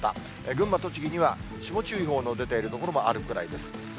群馬、栃木には霜注意報の出ている所もあるくらいです。